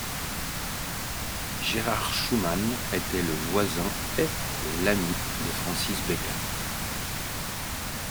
Gerard Schumann était le voisin et l’ami de Francis Bacon.